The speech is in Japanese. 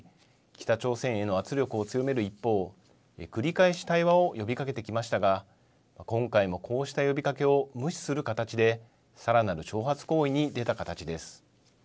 北朝鮮への圧力を強める一方、繰り返し対話を呼びかけてきましたが今回もこうした呼びかけを無視する形でさらなる挑発行為に出た形です。